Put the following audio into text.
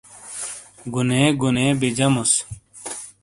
گُنے گُنے بجیموس۔